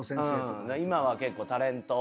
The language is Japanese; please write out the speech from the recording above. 今は結構タレント。